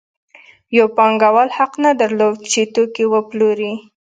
یو پانګوال حق نه درلود چې توکي وپلوري